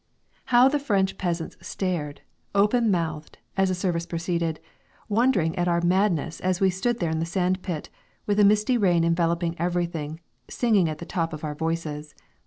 How the French peasants stared, open mouthed, as the service proceeded, wondering at our madness as we stood there in the sand pit, with a misty rain enveloping everything, singing at the top of our voices.